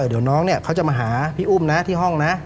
เดี๋ยวน้องเนี่ยเขาจะมาหาพี่อุ้มนะที่ห้องนะ